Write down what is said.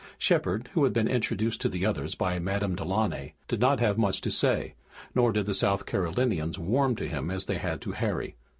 Shepard, who had been introduced to the others by Madame Delaunay, did not have much to say, nor did the South Carolinians warm to him as they had to Harry.